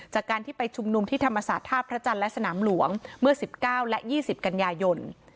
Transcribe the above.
จากการที่ไปชุมนุมที่ธรรมศาสตร์ท่าพระจันทร์และสนามหลวงเมื่อ๑๙และ๒๐กันยายน